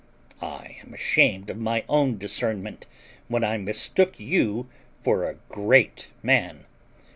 I am ashamed of my own discernment when I mistook you for a great man.